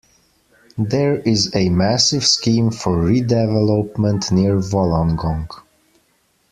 There is a massive scheme for redevelopment near Wollongong.